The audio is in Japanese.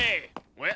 おや？